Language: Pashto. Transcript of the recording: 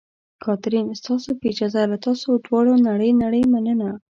کاترین: ستاسو په اجازه، له تاسو دواړو نړۍ نړۍ مننه.